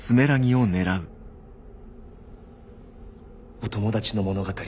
お友達の物語